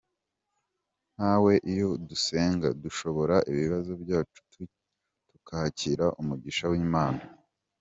Natwe iyo dusenga, dusohora ibibazo byacu tukakira umugisha w’Imana.